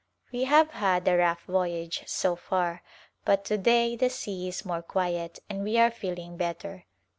We have had a rough voyage so far, but to day the sea is more quiet and we are feeling better.